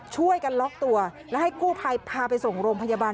ช่วยกันล็อกตัวแล้วให้กู้ภัยพาไปส่งโรงพยาบาล